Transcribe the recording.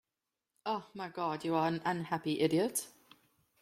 Ah, my God, you are an unhappy idiot!